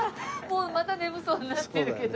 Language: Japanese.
もうまた眠そうになってるけど。